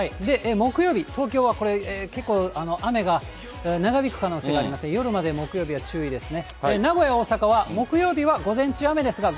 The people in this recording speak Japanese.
木曜日、東京はこれ、結構雨が長引く可能性がありますので、夜まで木曜日は注意ですね。